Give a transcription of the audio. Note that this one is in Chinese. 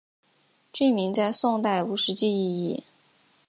郡名在宋代无实际意义。